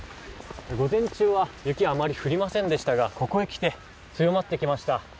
午前中は雪はあまり降りませんでしたがここへきて強まってきました。